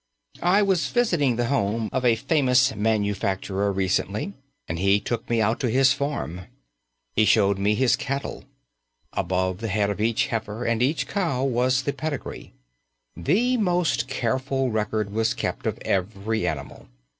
I was visiting the home of a famous manufacturer recently and he took me out to his farm. He showed me his cattle. Above the head of each heifer and each cow was the pedigree. The most careful record was kept of every animal.